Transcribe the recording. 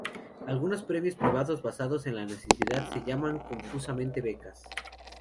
Algunos premios privados basados en la necesidad se llaman confusamente becas.